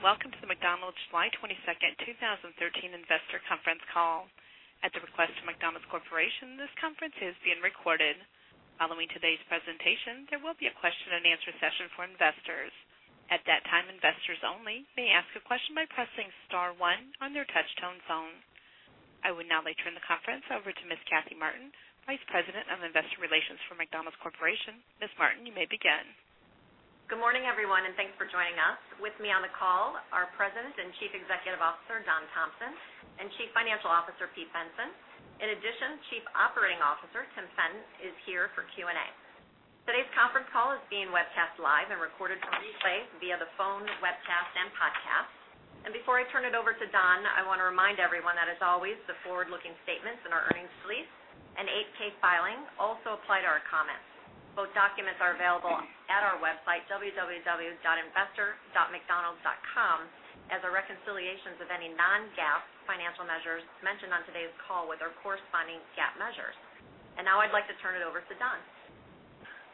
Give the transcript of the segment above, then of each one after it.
Hello. Welcome to the McDonald's July 22nd, 2013 investor conference call. At the request of McDonald's Corporation, this conference is being recorded. Following today’s presentation, there will be a question and answer session for investors. At that time, investors only may ask a question by pressing star one on their touch-tone phone. I would now like to turn the conference over to Ms. Kathy Martin, Vice President of Investor Relations for McDonald's Corporation. Ms. Martin, you may begin. Good morning, everyone. Thanks for joining us. With me on the call are President and Chief Executive Officer, Don Thompson, and Chief Financial Officer, Pete Bensen. In addition, Chief Operating Officer, Tim Fenton, is here for Q&A. Today’s conference call is being webcast live and recorded for replay via the phone, webcast, and podcast. Before I turn it over to Don, I want to remind everyone that, as always, the forward-looking statements in our earnings release and Form 8-K filing also apply to our comments. Both documents are available at our website, www.investor.mcdonalds.com, as are reconciliations of any non-GAAP financial measures mentioned on today’s call with our corresponding GAAP measures. Now I’d like to turn it over to Don.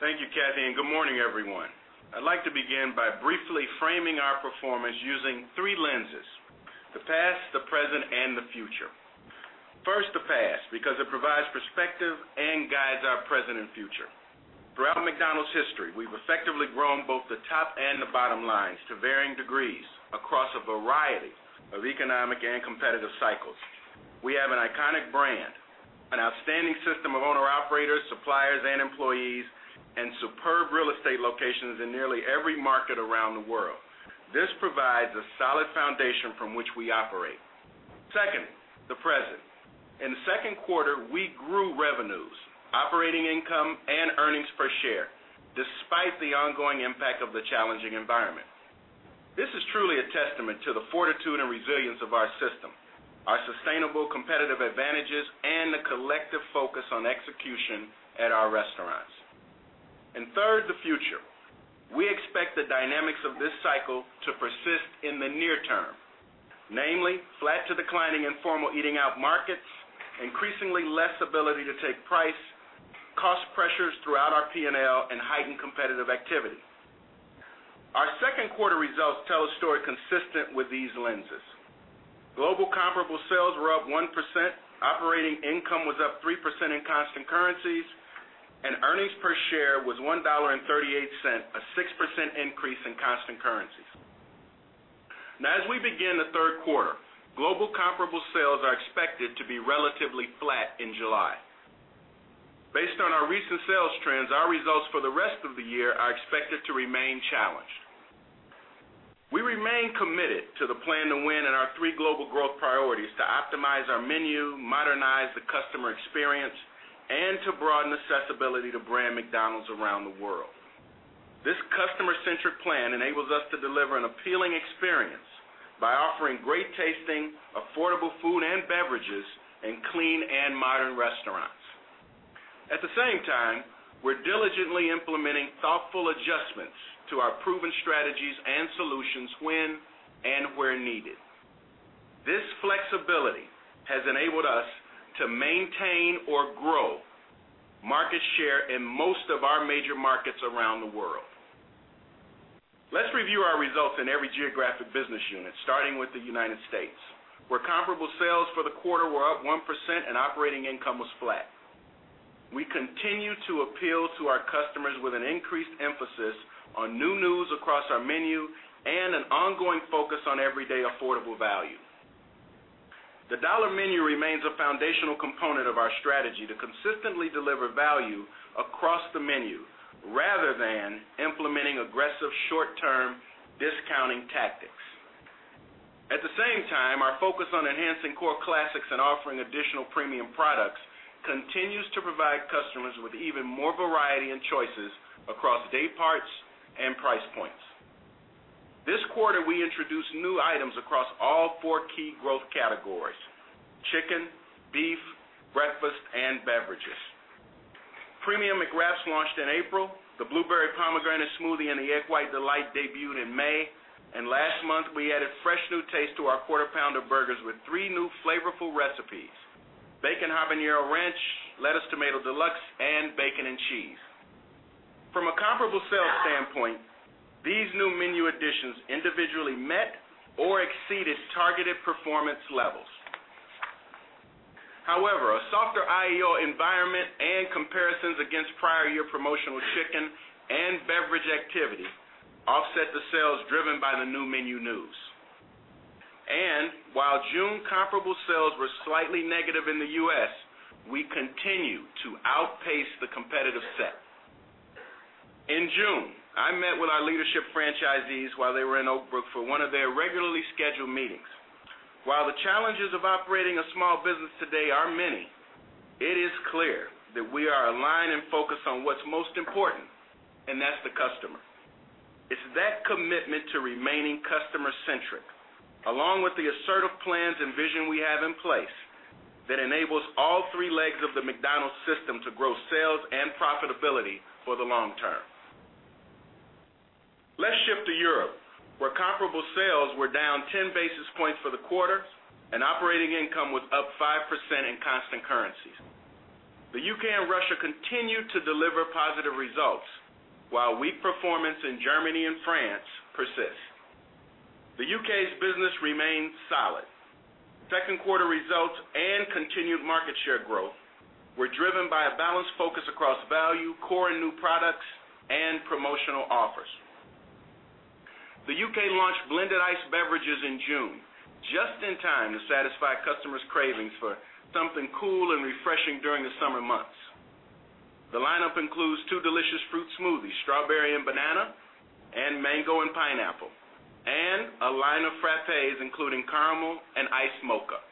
Thank you, Kathy. Good morning, everyone. I’d like to begin by briefly framing our performance using three lenses: the past, the present, and the future. First, the past, because it provides perspective and guides our present and future. Throughout McDonald's history, we’ve effectively grown both the top and the bottom lines to varying degrees across a variety of economic and competitive cycles. We have an iconic brand, an outstanding system of owner-operators, suppliers, and employees, and superb real estate locations in nearly every market around the world. This provides a solid foundation from which we operate. Second, the present. In the second quarter, we grew revenues, operating income, and earnings per share, despite the ongoing impact of the challenging environment. This is truly a testament to the fortitude and resilience of our system, our sustainable competitive advantages, and the collective focus on execution at our restaurants. Third, the future. We expect the dynamics of this cycle to persist in the near term. Namely, flat to declining informal eating out markets, increasingly less ability to take price, cost pressures throughout our P&L, and heightened competitive activity. Our second quarter results tell a story consistent with these lenses. Global comparable sales were up 1%, operating income was up 3% in constant currencies, and earnings per share was $1.38, a 6% increase in constant currencies. As we begin the third quarter, global comparable sales are expected to be relatively flat in July. Based on our recent sales trends, our results for the rest of the year are expected to remain challenged. We remain committed to the Plan to Win in our three global growth priorities to optimize our menu, modernize the customer experience, and to broaden accessibility to brand McDonald's around the world. This customer-centric plan enables us to deliver an appealing experience by offering great-tasting, affordable food and beverages in clean and modern restaurants. At the same time, we're diligently implementing thoughtful adjustments to our proven strategies and solutions when and where needed. This flexibility has enabled us to maintain or grow market share in most of our major markets around the world. Let's review our results in every geographic business unit, starting with the United States, where comparable sales for the quarter were up 1% and operating income was flat. We continue to appeal to our customers with an increased emphasis on new news across our menu and an ongoing focus on everyday affordable value. The Dollar Menu remains a foundational component of our strategy to consistently deliver value across the menu rather than implementing aggressive short-term discounting tactics. At the same time, our focus on enhancing core classics and offering additional premium products continues to provide customers with even more variety and choices across day parts and price points. This quarter, we introduced new items across all four key growth categories: chicken, beef, breakfast, and beverages. Premium McWrap launched in April, the Blueberry Pomegranate Smoothie and the Egg White Delight debuted in May, and last month, we added fresh new taste to our Quarter Pounder burgers with three new flavorful recipes: Bacon Habanero Ranch, Quarter Pounder Deluxe, and Bacon and Cheese. From a comparable sales standpoint, these new menu additions individually met or exceeded targeted performance levels. However, a softer IEO environment and comparisons against prior year promotional chicken and beverage activity offset the sales driven by the new menu news. While June comparable sales were slightly negative in the U.S., we continue to outpace the competitive set. In June, I met with our leadership franchisees while they were in Oak Brook for one of their regularly scheduled meetings. While the challenges of operating a small business today are many, it is clear that we are aligned and focused on what's most important, and that's the customer. It's that commitment to remaining customer-centric, along with the assertive plans and vision we have in place that enables all three legs of the McDonald's system to grow sales and profitability for the long term. Let's shift to Europe, where comparable sales were down 10 basis points for the quarter and operating income was up 5% in constant currency. The U.K. and Russia continue to deliver positive results, while weak performance in Germany and France persists. The U.K.'s business remains solid. Second quarter results and continued market share growth were driven by a balanced focus across value, core and new products, and promotional offers. The U.K. launched blended ice beverages in June, just in time to satisfy customers' cravings for something cool and refreshing during the summer months. The lineup includes two delicious fruit smoothies, strawberry and banana, and mango and pineapple, and a line of Frappés, including caramel and iced mocha.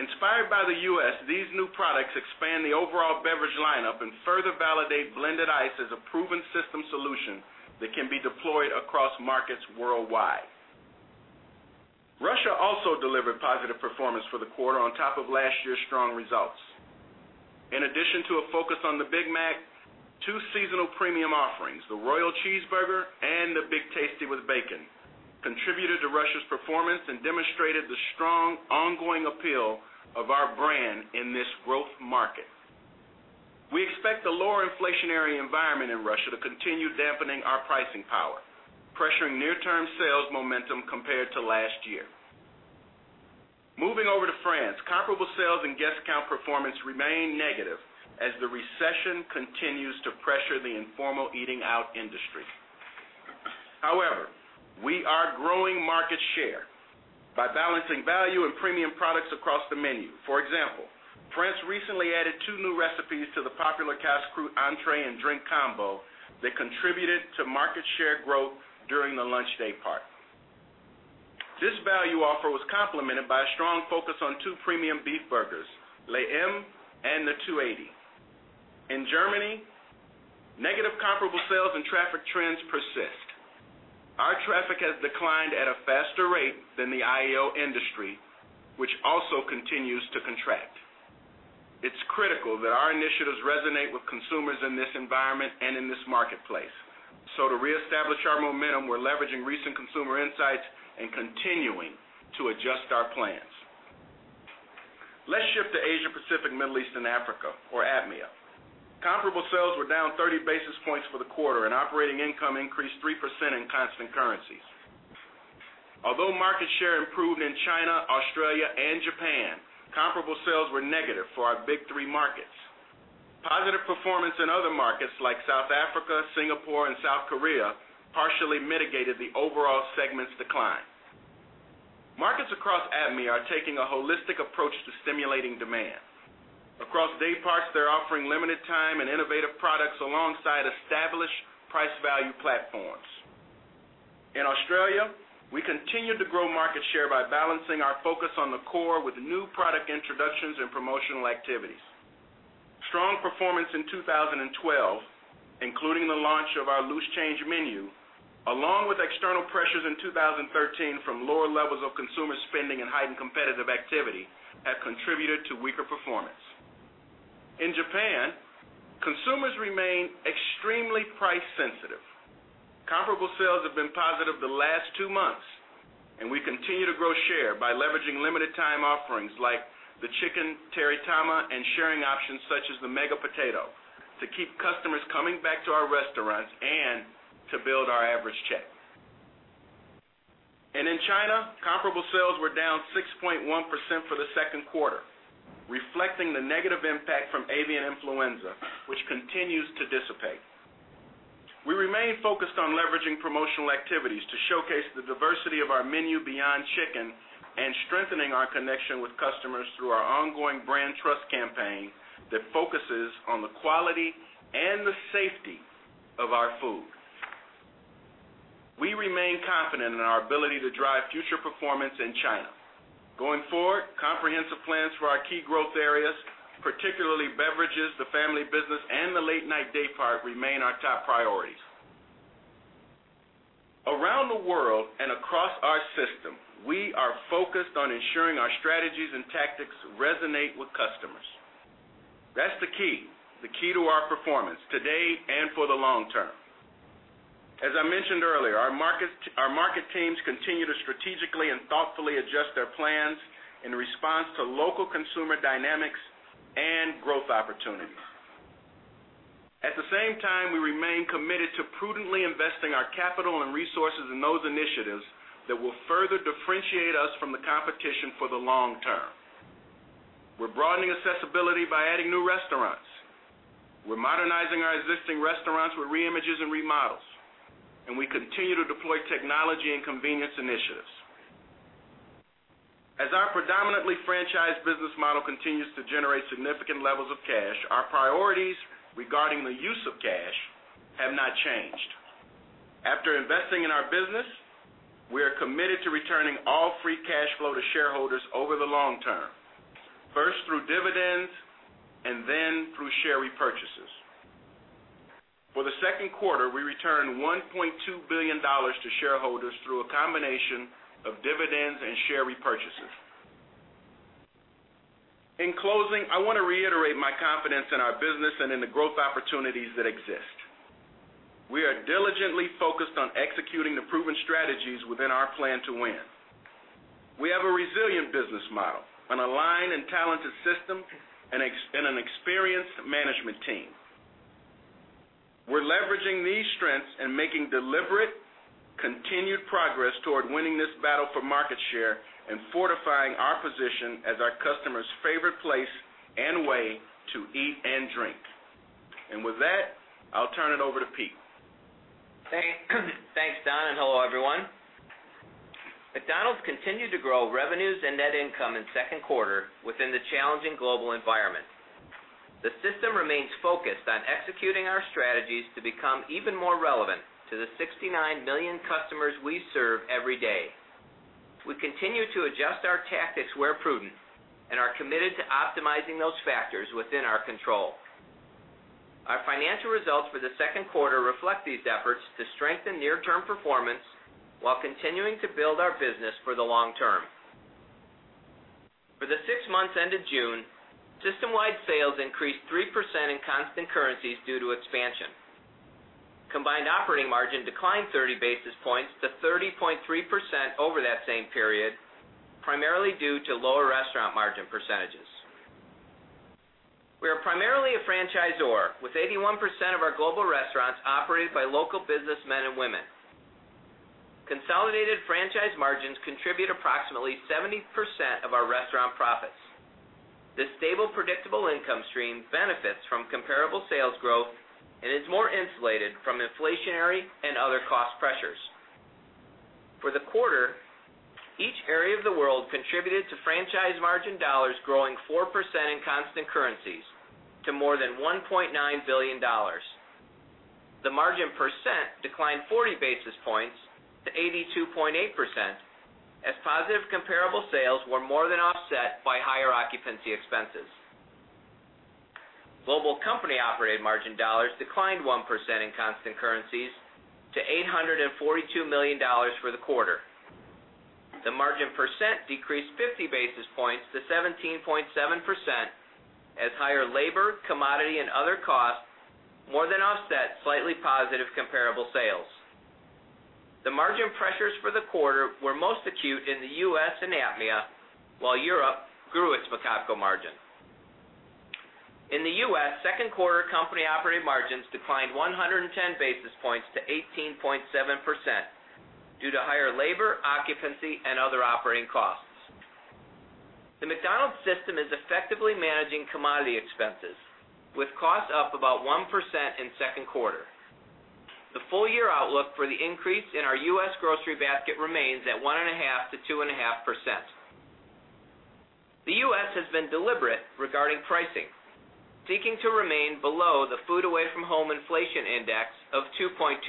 Inspired by the U.S., these new products expand the overall beverage lineup and further validate blended ice as a proven system solution that can be deployed across markets worldwide. Russia also delivered positive performance for the quarter on top of last year's strong results. In addition to a focus on the Big Mac, two seasonal premium offerings, the Hamburger Royal and the Big Tasty with bacon, contributed to Russia's performance and demonstrated the strong, ongoing appeal of our brand in this growth market. We expect the lower inflationary environment in Russia to continue dampening our pricing power, pressuring near-term sales momentum compared to last year. Moving over to France, comparable sales and guest count performance remain negative as the recession continues to pressure the informal eating out industry. However, we are growing market share by balancing value and premium products across the menu. For example, France recently added two new recipes to the popular Casse-Croûte entree and drink combo that contributed to market share growth during the lunch day part. This value offer was complemented by a strong focus on two premium beef burgers, Le M and Le 280. In Germany, negative comparable sales and traffic trends persist. Our traffic has declined at a faster rate than the IEO industry, which also continues to contract. It's critical that our initiatives resonate with consumers in this environment and in this marketplace. To reestablish our momentum, we're leveraging recent consumer insights and continuing to adjust our plans. Let's shift to Asia Pacific, Middle East, and Africa, or APMEA. Comparable sales were down 30 basis points for the quarter, and operating income increased 3% in constant currencies. Although market share improved in China, Australia, and Japan, comparable sales were negative for our big three markets. Positive performance in other markets like South Africa, Singapore, and South Korea, partially mitigated the overall segment's decline. Markets across APMEA are taking a holistic approach to stimulating demand. Across day parts, they're offering limited time and innovative products alongside established price value platforms. In Australia, we continued to grow market share by balancing our focus on the core with new product introductions and promotional activities. Strong performance in 2012, including the launch of our Loose Change Menu, along with external pressures in 2013 from lower levels of consumer spending and heightened competitive activity, have contributed to weaker performance. In Japan, consumers remain extremely price sensitive. Comparable sales have been positive the last two months, and we continue to grow share by leveraging limited time offerings like the Teritama and sharing options such as the Mega Potato to keep customers coming back to our restaurants and to build our average check. In China, comparable sales were down 6.1% for the second quarter, reflecting the negative impact from avian influenza, which continues to dissipate. We remain focused on leveraging promotional activities to showcase the diversity of our menu beyond chicken and strengthening our connection with customers through our ongoing brand trust campaign that focuses on the quality and the safety of our food. We remain confident in our ability to drive future performance in China. Going forward, comprehensive plans for our key growth areas, particularly beverages, the family business, and the late night day part, remain our top priorities. Around the world and across our system, we are focused on ensuring our strategies and tactics resonate with customers. That's the key to our performance today and for the long term. As I mentioned earlier, our market teams continue to strategically and thoughtfully adjust their plans in response to local consumer dynamics and growth opportunities. At the same time, we remain committed to prudently investing our capital and resources in those initiatives that will further differentiate us from the competition for the long term. We're broadening accessibility by adding new restaurants. We're modernizing our existing restaurants with reimages and remodels. We continue to deploy technology and convenience initiatives. As our predominantly franchised business model continues to generate significant levels of cash, our priorities regarding the use of cash have not changed. After investing in our business, we are committed to returning all free cash flow to shareholders over the long term, first through dividends and then through share repurchases. For the second quarter, we returned $1.2 billion to shareholders through a combination of dividends and share repurchases. In closing, I want to reiterate my confidence in our business and in the growth opportunities that exist. We are diligently focused on executing the proven strategies within our Plan to Win. A resilient business model, an aligned and talented system, and an experienced management team. We're leveraging these strengths and making deliberate, continued progress toward winning this battle for market share and fortifying our position as our customers' favorite place and way to eat and drink. With that, I'll turn it over to Pete. Thanks, Don, hello, everyone. McDonald's continued to grow revenues and net income in second quarter within the challenging global environment. The system remains focused on executing our strategies to become even more relevant to the 69 million customers we serve every day. We continue to adjust our tactics where prudent and are committed to optimizing those factors within our control. Our financial results for the second quarter reflect these efforts to strengthen near-term performance while continuing to build our business for the long term. For the six months ended June, system-wide sales increased 3% in constant currencies due to expansion. Combined operating margin declined 30 basis points to 30.3% over that same period, primarily due to lower restaurant margin percentages. We are primarily a franchisor, with 81% of our global restaurants operated by local businessmen and women. Consolidated franchise margins contribute approximately 70% of our restaurant profits. This stable, predictable income stream benefits from comparable sales growth and is more insulated from inflationary and other cost pressures. For the quarter, each area of the world contributed to franchise margin dollars growing 4% in constant currencies to more than $1.9 billion. The margin percent declined 40 basis points to 82.8% as positive comparable sales were more than offset by higher occupancy expenses. Global company-operated margin dollars declined 1% in constant currencies to $842 million for the quarter. The margin percent decreased 50 basis points to 17.7% as higher labor, commodity, and other costs more than offset slightly positive comparable sales. The margin pressures for the quarter were most acute in the U.S. and APMEA, while Europe grew its McOpCo margin. In the U.S., second quarter company-operated margins declined 110 basis points to 18.7% due to higher labor, occupancy, and other operating costs. The McDonald's system is effectively managing commodity expenses, with costs up about 1% in second quarter. The full-year outlook for the increase in our U.S. grocery basket remains at 1.5%-2.5%. The U.S. has been deliberate regarding pricing, seeking to remain below the food away from home index of 2.2%.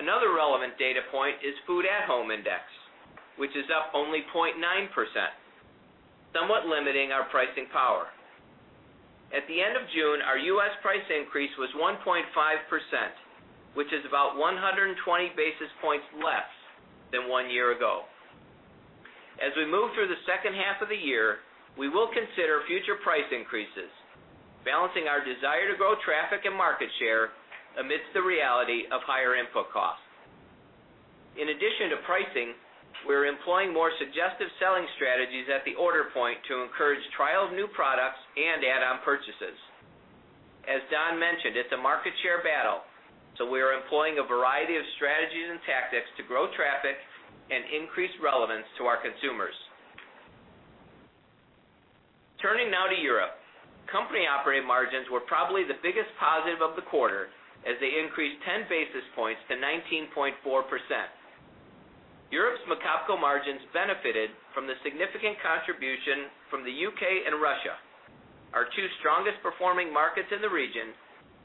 Another relevant data point is food at home index, which is up only 0.9%, somewhat limiting our pricing power. At the end of June, our U.S. price increase was 1.5%, which is about 120 basis points less than one year ago. As we move through the second half of the year, we will consider future price increases, balancing our desire to grow traffic and market share amidst the reality of higher input costs. In addition to pricing, we're employing more suggestive selling strategies at the order point to encourage trial of new products and add-on purchases. As Don mentioned, it's a market share battle. We are employing a variety of strategies and tactics to grow traffic and increase relevance to our consumers. Turning now to Europe. Company-operated margins were probably the biggest positive of the quarter, as they increased 10 basis points to 19.4%. Europe's McOpCo margins benefited from the significant contribution from the U.K. and Russia, our two strongest performing markets in the region,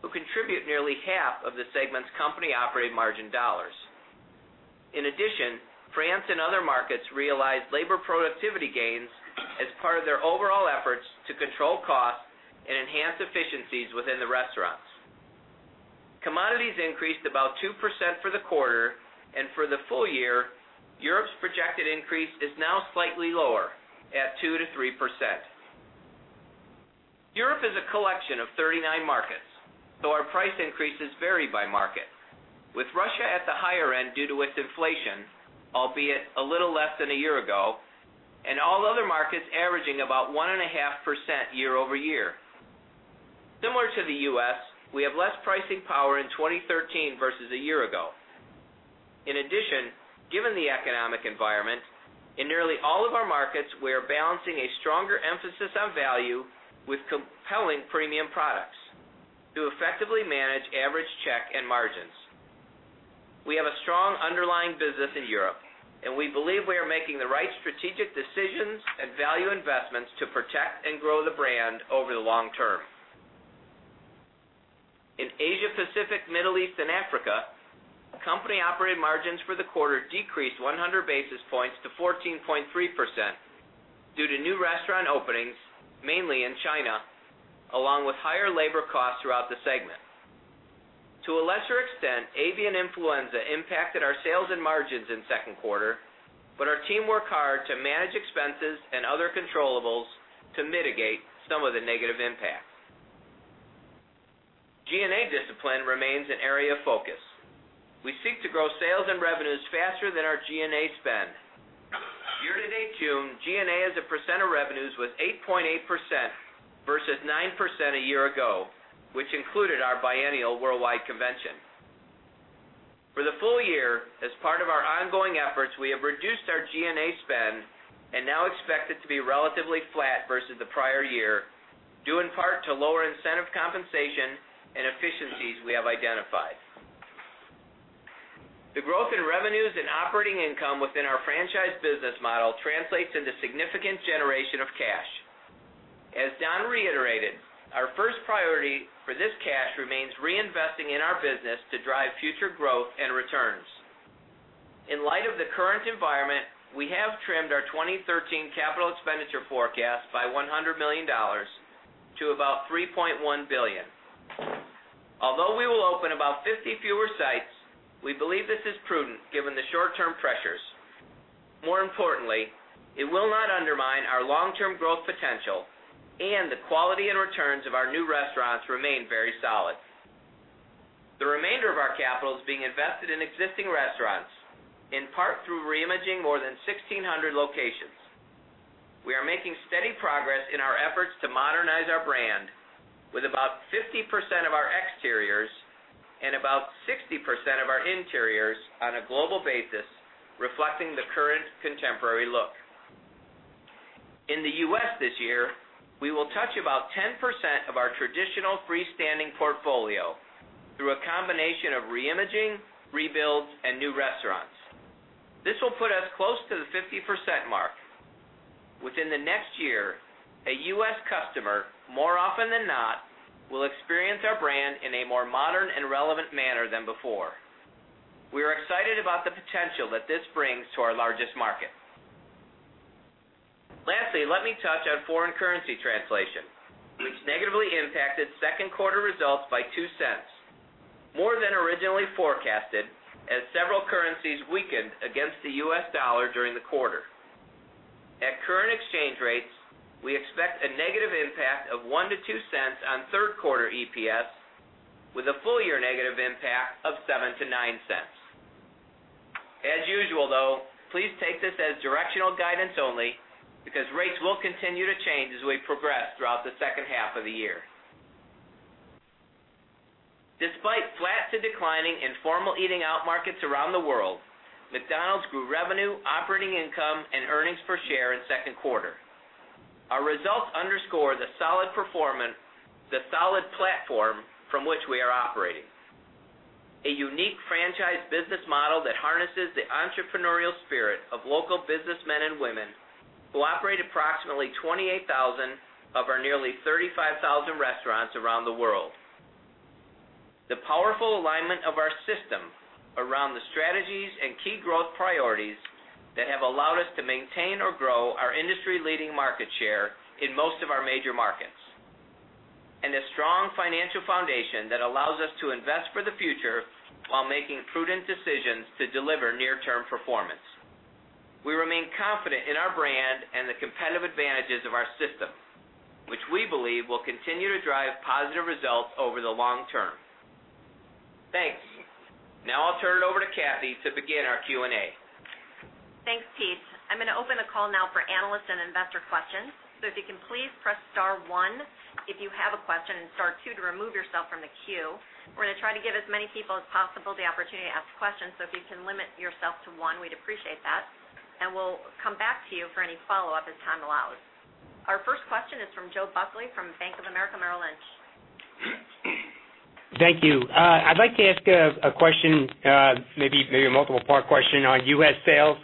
who contribute nearly half of the segment's company-operated margin dollars. In addition, France and other markets realized labor productivity gains as part of their overall efforts to control costs and enhance efficiencies within the restaurants. Commodities increased about 2% for the quarter, and for the full year, Europe's projected increase is now slightly lower, at 2%-3%. Europe is a collection of 39 markets, so our price increases vary by market, with Russia at the higher end due to its inflation, albeit a little less than one year ago, and all other markets averaging about 1.5% year-over-year. Similar to the U.S., we have less pricing power in 2013 versus one year ago. In addition, given the economic environment, in nearly all of our markets, we are balancing a stronger emphasis on value with compelling premium products to effectively manage average check and margins. We have a strong underlying business in Europe, and we believe we are making the right strategic decisions and value investments to protect and grow the brand over the long term. In Asia Pacific, Middle East, and Africa, company-operated margins for the quarter decreased 100 basis points to 14.3% due to new restaurant openings, mainly in China, along with higher labor costs throughout the segment. To a lesser extent, avian influenza impacted our sales and margins in second quarter, but our team worked hard to manage expenses and other controllables to mitigate some of the negative impact. G&A discipline remains an area of focus. We seek to grow sales and revenues faster than our G&A spend. Year-to-date June, G&A as a percent of revenues was 8.8% versus 9% one year ago, which included our biennial worldwide convention. For the full year, as part of our ongoing efforts, we have reduced our G&A spend and now expect it to be relatively flat versus the prior year, due in part to lower incentive compensation and efficiencies we have identified. The growth in revenues and operating income within our franchise business model translates into significant generation of cash. As Don reiterated, our first priority for this cash remains reinvesting in our business to drive future growth and returns. In light of the current environment, we have trimmed our 2013 capital expenditure forecast by $100 million to about $3.1 billion. Although we will open about 50 fewer sites, we believe this is prudent given the short-term pressures. More importantly, it will not undermine our long-term growth potential, and the quality and returns of our new restaurants remain very solid. The remainder of our capital is being invested in existing restaurants, in part through re-imaging more than 1,600 locations. We are making steady progress in our efforts to modernize our brand with about 50% of our exteriors and about 60% of our interiors on a global basis, reflecting the current contemporary look. In the U.S. this year, we will touch about 10% of our traditional freestanding portfolio through a combination of re-imaging, rebuilds, and new restaurants. This will put us close to the 50% mark. Within the next year, a U.S. customer, more often than not, will experience our brand in a more modern and relevant manner than before. Let me touch on foreign currency translation, which negatively impacted second quarter results by $0.02, more than originally forecasted, as several currencies weakened against the U.S. dollar during the quarter. At current exchange rates, we expect a negative impact of $0.01-$0.02 on third quarter EPS, with a full-year negative impact of $0.07-$0.09. As usual, though, please take this as directional guidance only because rates will continue to change as we progress throughout the second half of the year. Despite flat to declining informal eating-out markets around the world, McDonald's grew revenue, operating income, and earnings per share in second quarter. Our results underscore the solid platform from which we are operating. A unique franchise business model that harnesses the entrepreneurial spirit of local businessmen and women who operate approximately 28,000 of our nearly 35,000 restaurants around the world. The powerful alignment of our system around the strategies and key growth priorities that have allowed us to maintain or grow our industry-leading market share in most of our major markets, and a strong financial foundation that allows us to invest for the future while making prudent decisions to deliver near-term performance. We remain confident in our brand and the competitive advantages of our system, which we believe will continue to drive positive results over the long term. Thanks. I’ll turn it over to Kathy to begin our Q&A. Thanks, Pete. I’m going to open the call now for analyst and investor questions. If you can please press star one if you have a question, and star two to remove yourself from the queue. We’re going to try to give as many people as possible the opportunity to ask questions, if you can limit yourself to one, we’d appreciate that, and we’ll come back to you for any follow-up as time allows. Our first question is from Joseph Buckley from Bank of America Merrill Lynch. Thank you. I’d like to ask a question, maybe a multiple-part question on U.S. sales.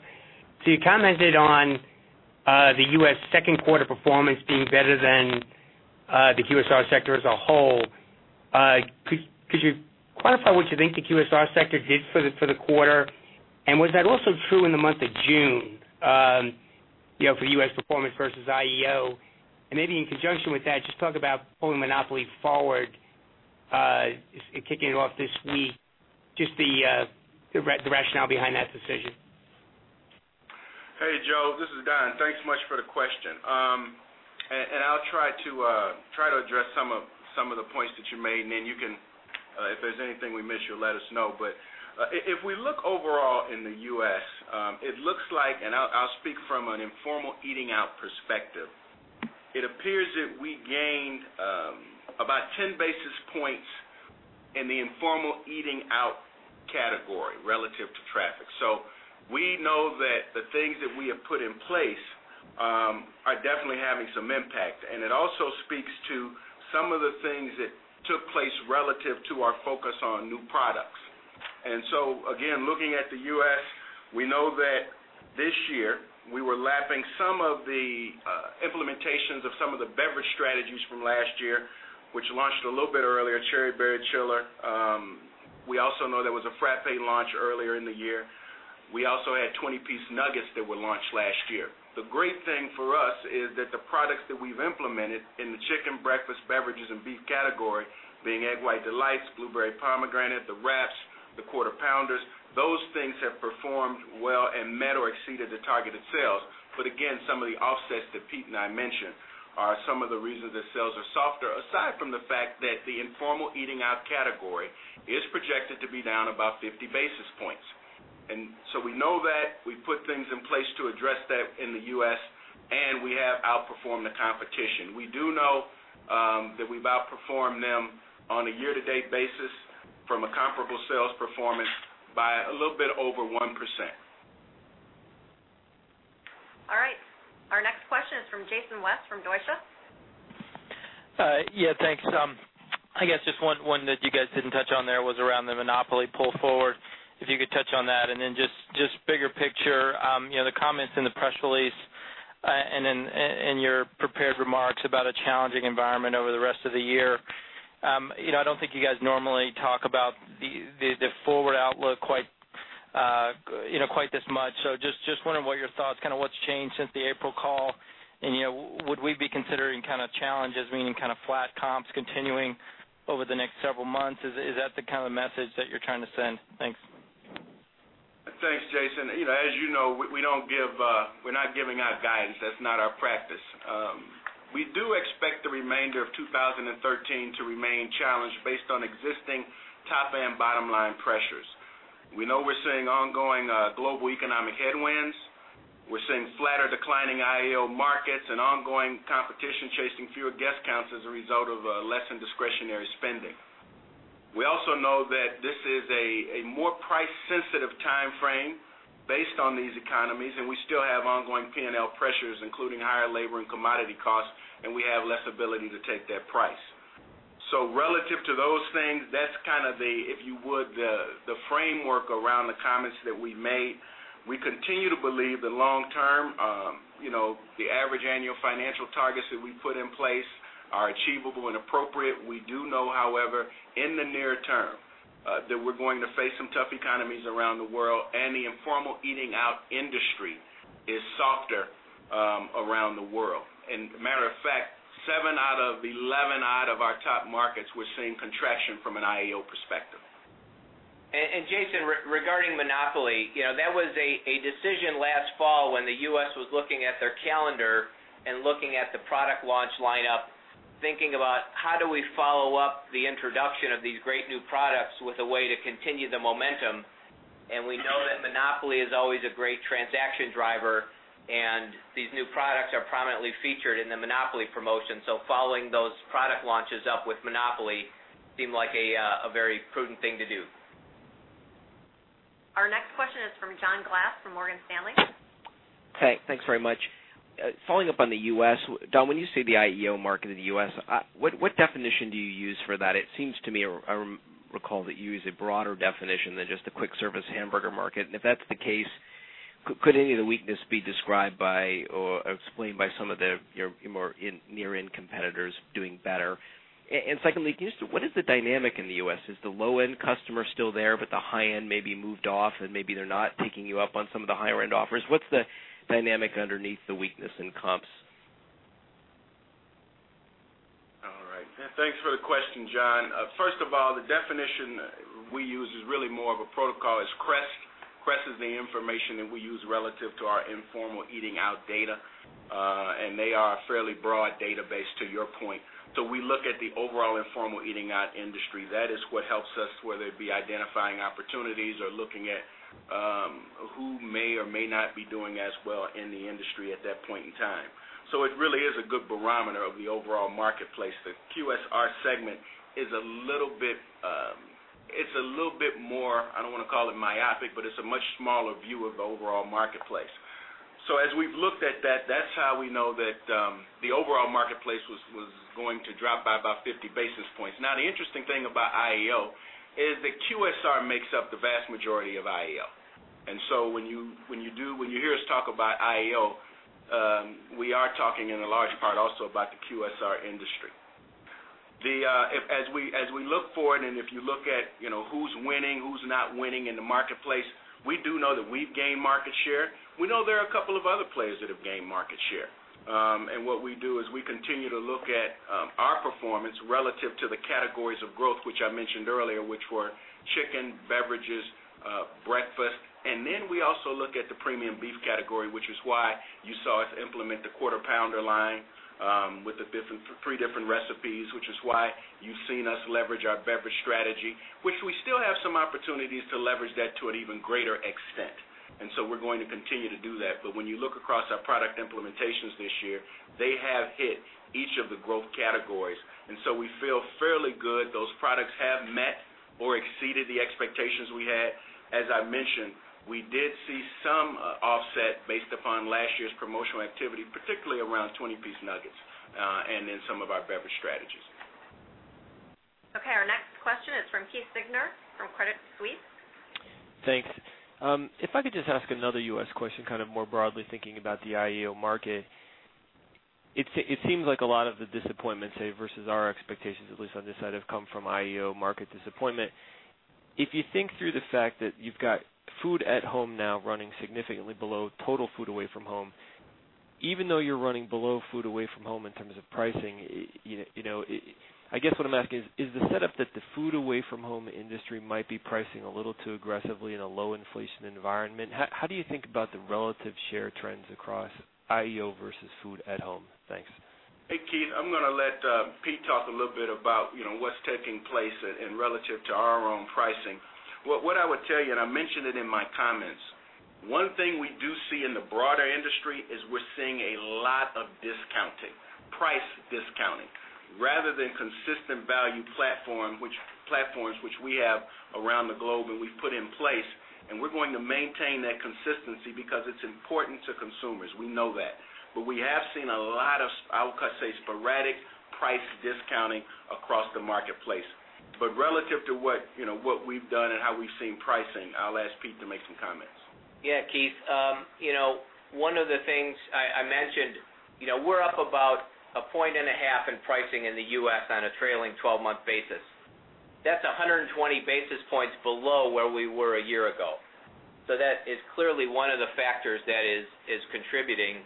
You commented on the U.S. second quarter performance being better than the QSR sector as a whole. Could you clarify what you think the QSR sector did for the quarter? Was that also true in the month of June for U.S. performance versus IEO? Maybe in conjunction with that, just talk about pulling Monopoly forward, kicking it off this week, just the rationale behind that decision. Hey, Joe, this is Don. Thanks so much for the question. I’ll try to address some of the points that you made, if there’s anything we miss, you’ll let us know. If we look overall in the U.S., it looks like, I’ll speak from an informal eating out perspective, it appears that we gained about 10 basis points in the informal eating out category relative to traffic. We know that the things that we have put in place are definitely having some impact, and it also speaks to some of the things that took place relative to our focus on new products. Again, looking at the U.S., we know that this year we were lapping some of the implementations of some of the beverage strategies from last year, which launched a little bit earlier, Cherry Berry Chiller. We also know there was a Frappé launch earlier in the year. We also had 20-piece nuggets that were launched last year. The great thing for us is that the products that we’ve implemented in the chicken, breakfast, beverages, and beef category, being Egg White Delight McMuffin, Blueberry Pomegranate Smoothie, McWraps The Quarter Pounders, those things have performed well and met or exceeded the targeted sales. Again, some of the offsets that Pete and I mentioned are some of the reasons the sales are softer, aside from the fact that the informal eating out category is projected to be down about 50 basis points. We know that. We've put things in place to address that in the U.S., and we have outperformed the competition. We do know that we've outperformed them on a year-to-date basis from a comparable sales performance by a little bit over 1%. All right. Our next question is from Jason West from Deutsche. Yeah, thanks. I guess just one that you guys didn't touch on there was around the Monopoly pull forward, if you could touch on that. Just bigger picture, the comments in the press release, and in your prepared remarks about a challenging environment over the rest of the year. I don't think you guys normally talk about the forward outlook quite this much. Just wondering what your thoughts, what's changed since the April call, and would we be considering challenges, meaning flat comps continuing over the next several months? Is that the kind of message that you're trying to send? Thanks. Thanks, Jason. As you know, we're not giving out guidance. That's not our practice. We do expect the remainder of 2013 to remain challenged based on existing top and bottom-line pressures. We know we're seeing ongoing global economic headwinds. We're seeing flatter declining IEO markets and ongoing competition chasing fewer guest counts as a result of less in discretionary spending. We also know that this is a more price-sensitive timeframe based on these economies, and we still have ongoing P&L pressures, including higher labor and commodity costs, and we have less ability to take that price. Relative to those things, that's kind of the, if you would, the framework around the comments that we made. We continue to believe that long term, the average annual financial targets that we put in place are achievable and appropriate. We do know, however, in the near term, that we're going to face some tough economies around the world. The informal eating out industry is softer around the world. Matter of fact, seven out of 11 out of our top markets, we're seeing contraction from an IEO perspective. Jason, regarding Monopoly, that was a decision last fall when the U.S. was looking at their calendar and looking at the product launch lineup, thinking about how do we follow up the introduction of these great new products with a way to continue the momentum. We know that Monopoly is always a great transaction driver. These new products are prominently featured in the Monopoly promotion. Following those product launches up with Monopoly seemed like a very prudent thing to do. Our next question is from John Glass from Morgan Stanley. Hey, thanks very much. Following up on the U.S., Don, when you say the IEO market in the U.S., what definition do you use for that? It seems to me, I recall that you use a broader definition than just the quick service hamburger market. If that's the case, could any of the weakness be described by or explained by some of the more near-end competitors doing better? Secondly, can you just, what is the dynamic in the U.S.? Is the low-end customer still there, but the high end maybe moved off? Maybe they're not taking you up on some of the higher-end offers? What's the dynamic underneath the weakness in comps? All right. Thanks for the question, John. First of all, the definition we use is really more of a protocol is CREST. CREST is the information that we use relative to our informal eating out data, and they are a fairly broad database, to your point. We look at the overall informal eating out industry. That is what helps us, whether it be identifying opportunities or looking at who may or may not be doing as well in the industry at that point in time. It really is a good barometer of the overall marketplace. The QSR segment is a little bit more, I don't want to call it myopic, but it's a much smaller view of the overall marketplace. As we've looked at that's how we know that the overall marketplace was going to drop by about 50 basis points. The interesting thing about IEO is that QSR makes up the vast majority of IEO. When you hear us talk about IEO, we are talking in a large part also about the QSR industry. As we look forward, and if you look at who's winning, who's not winning in the marketplace, we do know that we've gained market share. We know there are a couple of other players that have gained market share. What we do is we continue to look at our performance relative to the categories of growth, which I mentioned earlier, which were chicken, beverages, breakfast. We also look at the premium beef category, which is why you saw us implement the Quarter Pounder line with the three different recipes, which is why you've seen us leverage our beverage strategy, which we still have some opportunities to leverage that to an even greater extent. We're going to continue to do that. When you look across our product implementations this year, they have hit each of the growth categories. We feel fairly good those products have met or exceeded the expectations we had. As I mentioned, we did see some offset based upon last year's promotional activity, particularly around 20-piece nuggets, and in some of our beverage strategies. Our next question is from Keith Siegner from Credit Suisse. Thanks. If I could just ask another U.S. question, more broadly thinking about the IEO market. It seems like a lot of the disappointment, say, versus our expectations, at least on this side, have come from IEO market disappointment. If you think through the fact that you've got food at home now running significantly below total food away from home. Even though you're running below food away from home in terms of pricing, I guess what I'm asking is the setup that the food away from home industry might be pricing a little too aggressively in a low inflation environment? How do you think about the relative share trends across IEO versus food at home? Thanks. Hey, Keith. I'm going to let Pete talk a little bit about what's taking place and relative to our own pricing. What I would tell you, and I mentioned it in my comments, one thing we do see in the broader industry is we're seeing a lot of discounting, price discounting, rather than consistent value platforms, which we have around the globe and we've put in place, and we're going to maintain that consistency because it's important to consumers. We know that. We have seen a lot of, I would say, sporadic price discounting across the marketplace. Relative to what we've done and how we've seen pricing, I'll ask Pete to make some comments. Yeah, Keith. One of the things I mentioned, we're up about a point and a half in pricing in the U.S. on a trailing 12-month basis. That's 120 basis points below where we were a year ago. That is clearly one of the factors that is contributing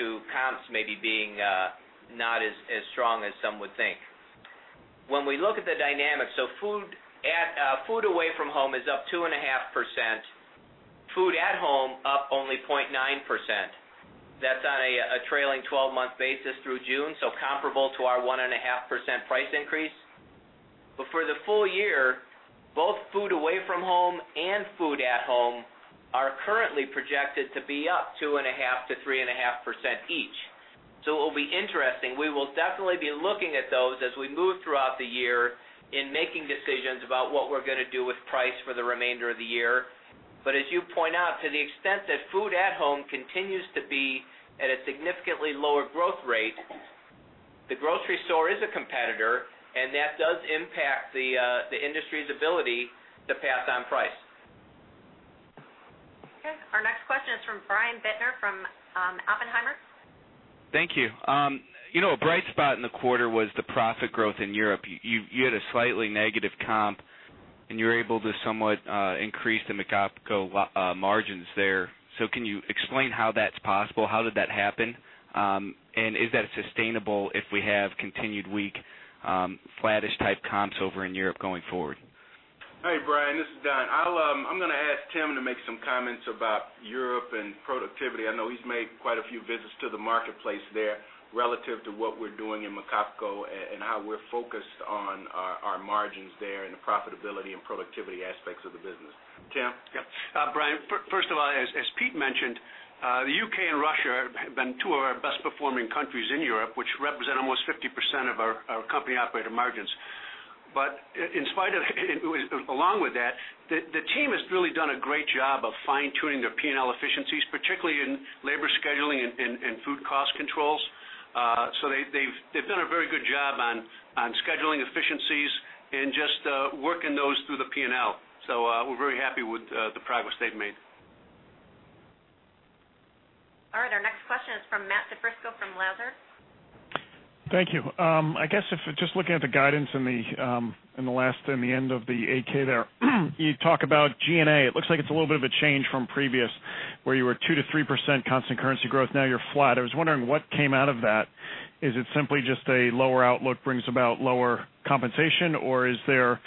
to comps maybe being not as strong as some would think. When we look at the dynamics, food away from home is up 2.5%, food at home up only 0.9%. That's on a trailing 12-month basis through June, comparable to our 1.5% price increase. For the full year, both food away from home and food at home are currently projected to be up 2.5%-3.5% each. It will be interesting. We will definitely be looking at those as we move throughout the year in making decisions about what we're going to do with price for the remainder of the year. As you point out, to the extent that food at home continues to be at a significantly lower growth rate, the grocery store is a competitor, and that does impact the industry's ability to pass on price. Okay. Our next question is from Brian Bittner from Oppenheimer. Thank you. A bright spot in the quarter was the profit growth in Europe. You had a slightly negative comp, and you were able to somewhat increase the McOpCo margins there. Can you explain how that's possible? How did that happen? Is that sustainable if we have continued weak, flattish type comps over in Europe going forward? Hey, Brian, this is Don. I'm going to ask Tim to make some comments about Europe and productivity. I know he's made quite a few visits to the marketplace there relative to what we're doing in McOpCo and how we're focused on our margins there and the profitability and productivity aspects of the business. Tim? Yeah. Brian, first of all, as Pete mentioned, the U.K. and Russia have been two of our best-performing countries in Europe, which represent almost 50% of our company operator margins. Along with that, the team has really done a great job of fine-tuning their P&L efficiencies, particularly in labor scheduling and food cost controls. They've done a very good job on scheduling efficiencies and just working those through the P&L. We're very happy with the progress they've made. Our next question is from Matthew DiFrisco from Lazard. Thank you. I guess if just looking at the guidance in the end of the 8-K there, you talk about G&A. It looks like it's a little bit of a change from previous, where you were 2%-3% constant currency growth, now you're flat. I was wondering what came out of that. Is it simply just a lower outlook brings about lower compensation? Is there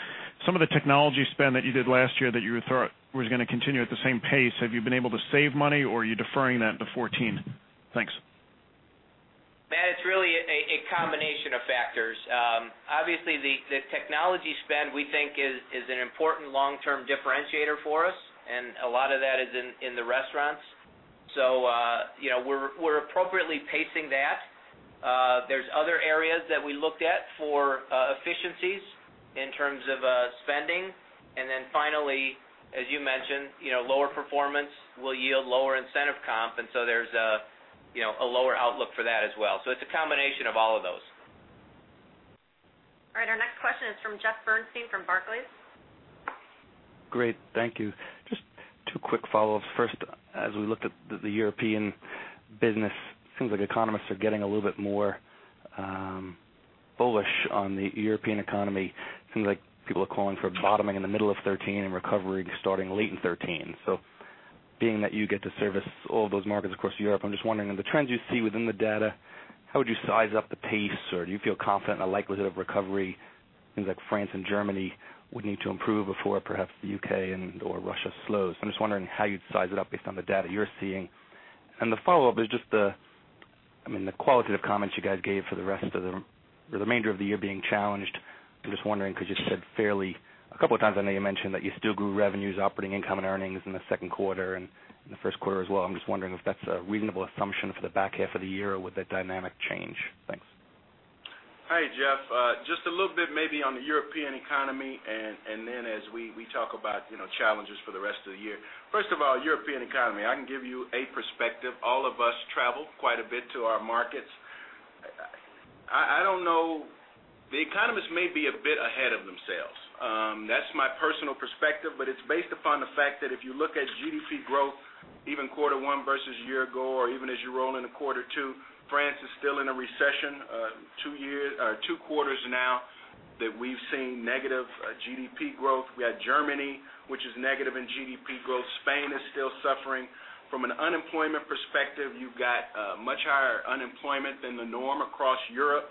some of the technology spend that you did last year that you thought was going to continue at the same pace? Have you been able to save money or are you deferring that to 2014? Thanks. Matt, it's really a combination of factors. Obviously, the technology spend, we think, is an important long-term differentiator for us, and a lot of that is in the restaurants. We're appropriately pacing that. There's other areas that we looked at for efficiencies in terms of spending. Then finally, as you mentioned, lower performance will yield lower incentive comp, there's a lower outlook for that as well. It's a combination of all of those. Our next question is from Jeffrey Bernstein from Barclays. Great. Thank you. Just two quick follow-ups. First, as we looked at the European business, economists are getting a little bit more bullish on the European economy. People are calling for a bottoming in the middle of 2013 and recovery starting late in 2013. Being that you get to service all of those markets across Europe, I'm just wondering in the trends you see within the data, how would you size up the pace, or do you feel confident in the likelihood of recovery? Things like France and Germany would need to improve before perhaps the U.K. and/or Russia slows. I'm just wondering how you'd size it up based on the data you're seeing. The follow-up is just the qualitative comments you guys gave for the remainder of the year being challenged. I'm just wondering because you said fairly, a couple of times I know you mentioned that you still grew revenues, operating income, and earnings in the second quarter and in the first quarter as well. I'm just wondering if that's a reasonable assumption for the back half of the year or would that dynamic change? Thanks. Hi, Jeff. Just a little bit maybe on the European economy and then as we talk about challenges for the rest of the year. First of all, European economy, I can give you a perspective. All of us travel quite a bit to our markets. I don't know. The economists may be a bit ahead of themselves. That's my personal perspective, but it's based upon the fact that if you look at GDP growth, even quarter one versus a year ago or even as you roll into quarter two, France is still in a recession. Two quarters now that we've seen negative GDP growth. We had Germany, which is negative in GDP growth. Spain is still suffering. From an unemployment perspective, you've got much higher unemployment than the norm across Europe.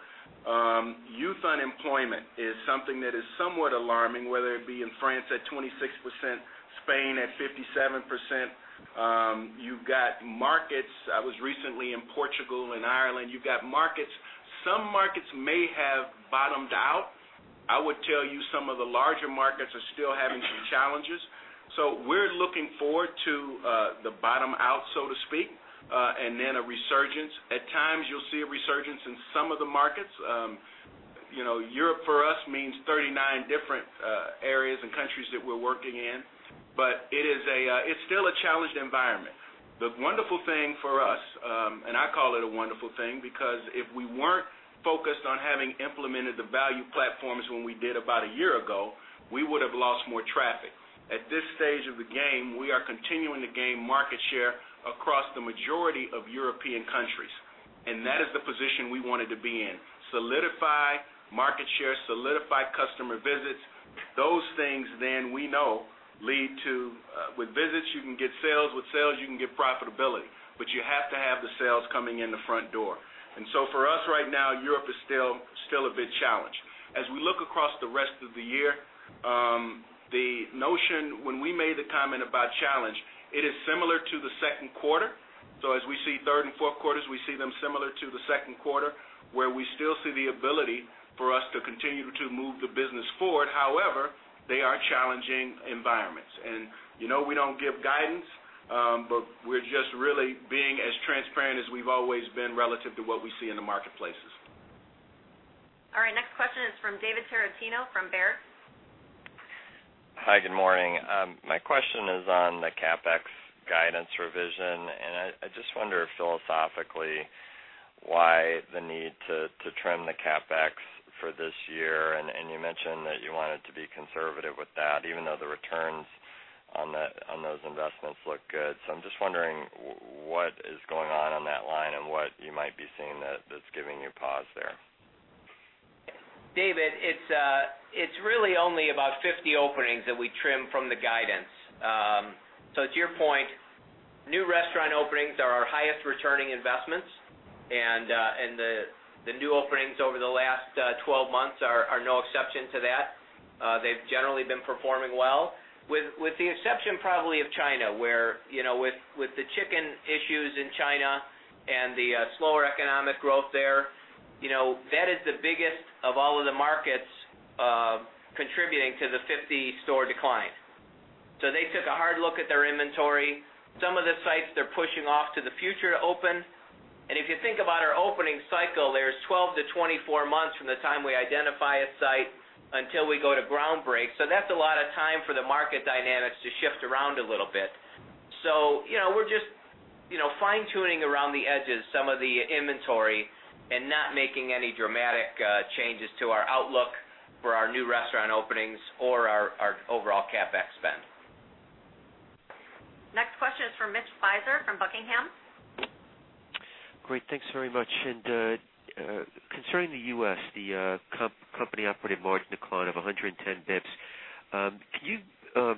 Youth unemployment is something that is somewhat alarming, whether it be in France at 26%, Spain at 57%. You've got markets. I was recently in Portugal and Ireland. You've got markets. Some markets may have bottomed out. I would tell you some of the larger markets are still having some challenges. We're looking forward to the bottom out, so to speak, and then a resurgence. At times, you'll see a resurgence in some of the markets. Europe for us means 39 different areas and countries that we're working in, but it's still a challenged environment. The wonderful thing for us, I call it a wonderful thing, because if we weren't focused on having implemented the value platforms when we did about a year ago, we would've lost more traffic. At this stage of the game, we are continuing to gain market share across the majority of European countries, and that is the position we wanted to be in. Solidify market share, solidify customer visits. Those things we know lead to. With visits, you can get sales. With sales, you can get profitability, but you have to have the sales coming in the front door. For us right now, Europe is still a big challenge. As we look across the rest of the year, the notion when we made the comment about challenge, it is similar to the second quarter. As we see third and fourth quarters, we see them similar to the second quarter, where we still see the ability for us to continue to move the business forward. However, they are challenging environments. We don't give guidance, but we're just really being as transparent as we've always been relative to what we see in the marketplaces. All right. Next question is from David Tarantino from Baird. Hi, good morning. My question is on the CapEx guidance revision. I just wonder philosophically why the need to trim the CapEx for this year. You mentioned that you wanted to be conservative with that, even though the returns on those investments look good. I'm just wondering what is going on in that line and what you might be seeing that's giving you pause there. David, it's really only about 50 openings that we trimmed from the guidance. To your point, new restaurant openings are our highest returning investments, and the new openings over the last 12 months are no exception to that. They've generally been performing well. With the exception probably of China, where with the chicken issues in China and the slower economic growth there, that is the biggest of all of the markets contributing to the 50 store decline. They took a hard look at their inventory. Some of the sites they're pushing off to the future to open. If you think about our opening cycle, there's 12-24 months from the time we identify a site until we go to ground break. That's a lot of time for the market dynamics to shift around a little bit. We're just fine-tuning around the edges some of the inventory and not making any dramatic changes to our outlook for our new restaurant openings or our overall CapEx spend. Next question is for Mitch Speiser from Buckingham. Great. Thanks very much. Concerning the U.S., the company operating margin decline of 110 basis points. Can you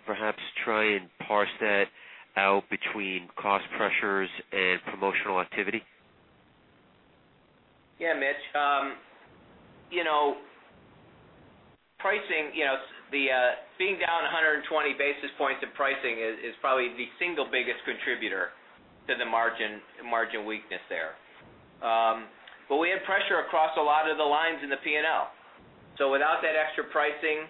perhaps try and parse that out between cost pressures and promotional activity? Yeah, Mitch. Being down 120 basis points in pricing is probably the single biggest contributor to the margin weakness there. We had pressure across a lot of the lines in the P&L. Without that extra pricing,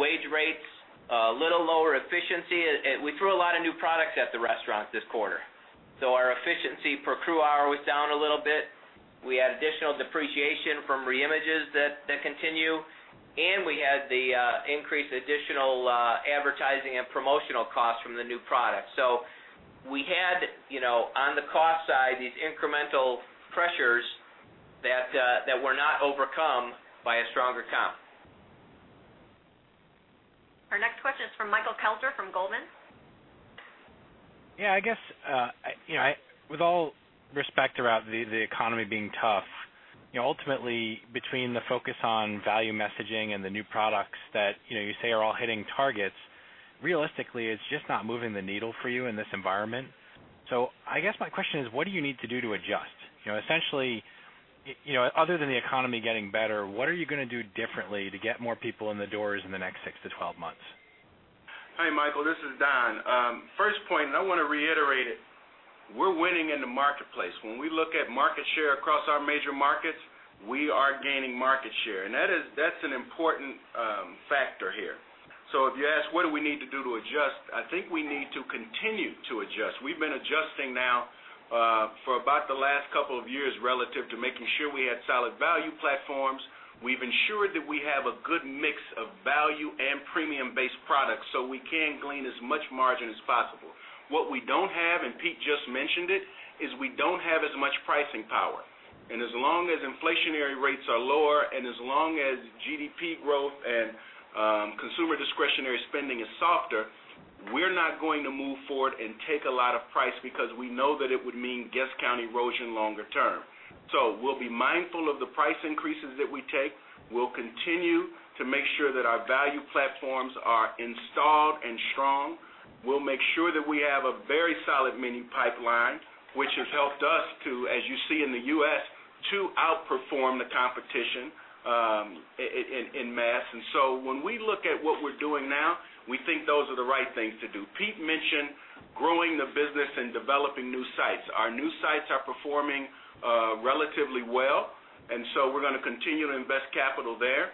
wage rates, a little lower efficiency, we threw a lot of new products at the restaurant this quarter. Our efficiency per crew hour was down a little bit. We had additional depreciation from reimages that continue, and we had the increased additional advertising and promotional costs from the new product. We had, on the cost side, these incremental pressures that were not overcome by a stronger comp. Our next question is from Michael Kelter from Goldman. I guess, with all respect about the economy being tough, ultimately between the focus on value messaging and the new products that you say are all hitting targets, realistically, it's just not moving the needle for you in this environment. I guess my question is, what do you need to do to adjust? Essentially, other than the economy getting better, what are you going to do differently to get more people in the doors in the next 6 to 12 months? Hi, Michael. This is Don. First point, I want to reiterate it, we're winning in the marketplace. When we look at market share across our major markets, we are gaining market share, and that's an important factor here. If you ask what do we need to do to adjust, I think we need to continue to adjust. We've been adjusting now for about the last couple of years relative to making sure we had solid value platforms. We've ensured that we have a good mix of value and premium-based products so we can glean as much margin as possible. What we don't have, Pete just mentioned it, is we don't have as much pricing power. As long as inflationary rates are lower, as long as GDP growth and consumer discretionary spending is softer. We're not going to move forward and take a lot of price because we know that it would mean guest count erosion longer term. We'll be mindful of the price increases that we take. We'll continue to make sure that our value platforms are installed and strong. We'll make sure that we have a very solid minu pipeline, which has helped us to, as you see in the U.S., to outperform the competition in mass. When we look at what we're doing now, we think those are the right things to do. Pete mentioned growing the business and developing new sites. Our new sites are performing relatively well, we're going to continue to invest capital there.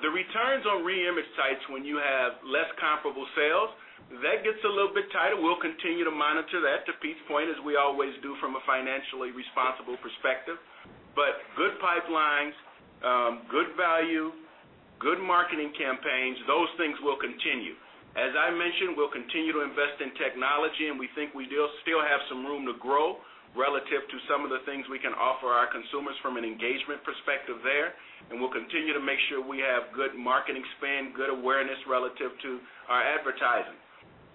The returns on reimage sites, when you have less comparable sales, that gets a little bit tighter. We'll continue to monitor that, to Pete's point, as we always do from a financially responsible perspective. Good pipelines, good value, good marketing campaigns, those things will continue. As I mentioned, we'll continue to invest in technology, and we think we still have some room to grow relative to some of the things we can offer our consumers from an engagement perspective there. We'll continue to make sure we have good marketing spend, good awareness relative to our advertising.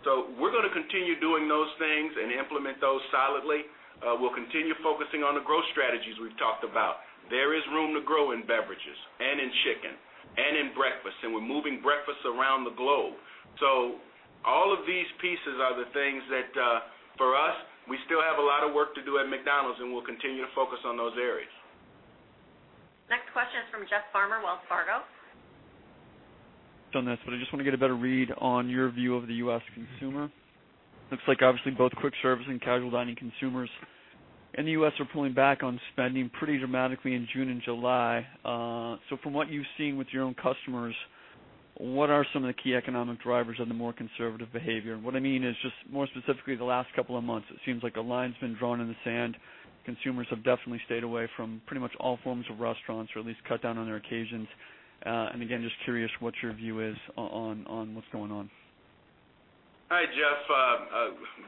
We're going to continue doing those things and implement those solidly. We'll continue focusing on the growth strategies we've talked about. There is room to grow in beverages and in chicken and in breakfast, and we're moving breakfast around the globe. All of these pieces are the things that, for us, we still have a lot of work to do at McDonald's, and we'll continue to focus on those areas. Next question is from Jeff Farmer, Wells Fargo. On this, but I just want to get a better read on your view of the U.S. consumer. Looks like obviously both quick service and casual dining consumers in the U.S. are pulling back on spending pretty dramatically in June and July. From what you've seen with your own customers, what are some of the key economic drivers of the more conservative behavior? What I mean is just more specifically the last couple of months, it seems like a line's been drawn in the sand. Consumers have definitely stayed away from pretty much all forms of restaurants, or at least cut down on their occasions. Again, just curious what your view is on what's going on. Hi, Jeff.